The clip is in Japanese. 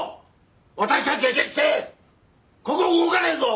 私は決してここを動かねえぞ！